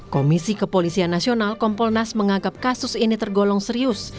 komisi kepolisian nasional kompolnas menganggap kasus ini tergolong serius